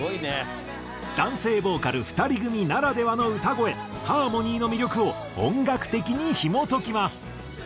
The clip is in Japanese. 男性ボーカル２人組ならではの歌声ハーモニーの魅力を音楽的にひもときます。